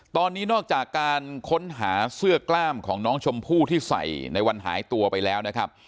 ตอนนี้นอกจากการค้นหาเสื้อกล้ามของน้องชมพู่ที่ใส่ในวันหายตัวไปแล้วนะครับ